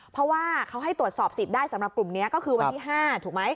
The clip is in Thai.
เพราะว่าเขาให้ตรวจสอบสิทธิ์ได้สำหรับกลุ่มนี้ก็คือวันที่๕ถูกไหม